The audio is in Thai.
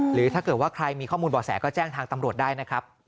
หรือถ้าเกิดว่าใครมีข้อมูลบ่อแสก็แจ้งทางตำรวจได้นะครับ